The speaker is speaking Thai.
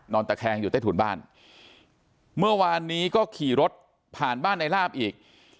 ตะแคงอยู่ใต้ถุนบ้านเมื่อวานนี้ก็ขี่รถผ่านบ้านในลาบอีก